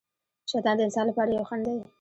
شیطان د انسان لپاره یو خڼډ دی.